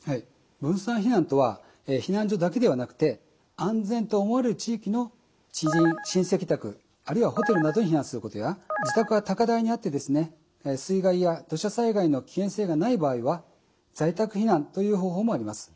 分散避難とは避難所だけではなくて安全と思われる地域の知人・親戚宅あるいはホテルなどに避難することや自宅が高台にあって水害や土砂災害の危険性がない場合は在宅避難という方法もあります。